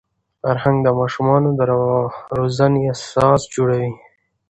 فرهنګ د ماشومانو د روزني اساس جوړوي.